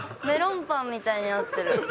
メロンパンみたいになってる。